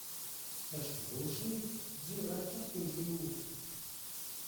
Sa chevauchée dura quatre jours.